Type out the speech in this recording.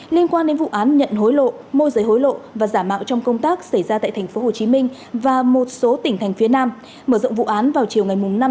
liên quan đến vụ án nhận hối lộ môi giấy hối lộ và giả mạo trong công tác xảy ra tại thành phố hồ chí minh và một số tỉnh thành phía nam mở rộng vụ án vào chiều năm một